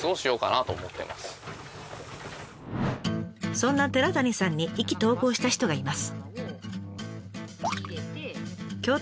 そんな寺谷さんに意気投合した人がいます。